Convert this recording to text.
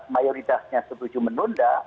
mayoritasnya setuju menunda